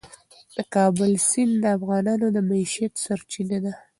د کابل سیند د افغانانو د معیشت سرچینه ده.